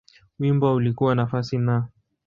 Wimbo ulikuwa nafasi Na.